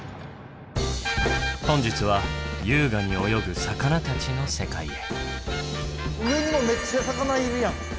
本日は優雅に泳ぐ魚たちの世界へ。